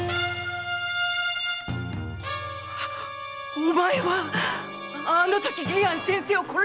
お前はあのとき玄庵先生を殺した侍！